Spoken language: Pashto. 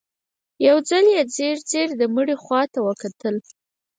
يو ځل يې ځير ځير د مړي خواته وکتل.